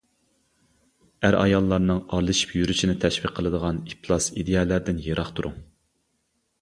ئەر-ئاياللارنىڭ ئارىلىشىپ يۈرۈشىنى تەشۋىق قىلىدىغان ئىپلاس ئىدىيەلەردىن يىراق تۇرۇڭ.